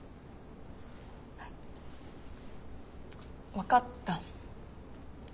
分かった。